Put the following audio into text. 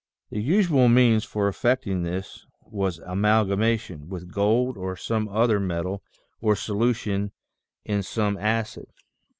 The usual means for effecting this was amalgamation with gold, or some other metal or solution in some acid.